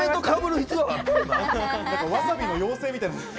わさびの妖精みたいですね。